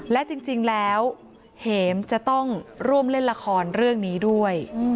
และจริงแล้วเห็มจะต้องร่วมเล่นละครเรื่องนี้ด้วย